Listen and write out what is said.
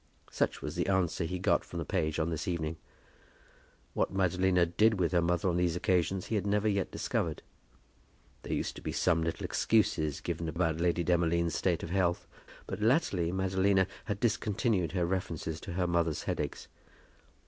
Such was the answer he got from the page on this evening. What Madalina did with her mother on these occasions he had never yet discovered. There used to be some little excuses given about Lady Demolines' state of health, but latterly Madalina had discontinued her references to her mother's headaches.